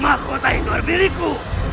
makhota indor beriku